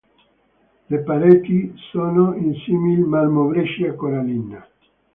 Le pareti sono in simil-marmo-breccia corallina.